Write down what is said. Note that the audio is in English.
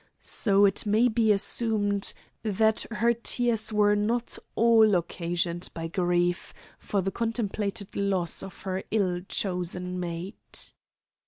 So it may be assumed that her tears were not all occasioned by grief for the contemplated loss of her ill chosen mate.